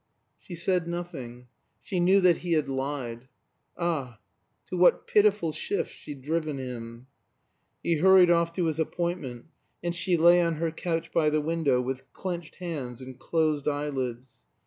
She said nothing. She knew that he had lied. Ah, to what pitiful shifts she had driven him! He hurried off to his appointment, and she lay on her couch by the window with clenched hands and closed eyelids.